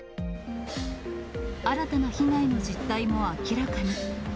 新たな被害の実態も明らかに。